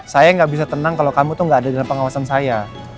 saya ga bisa tenang kalo kamu tuh ga ada dalam pengawasan saya